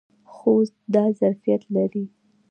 خوست دا ظرفیت لري.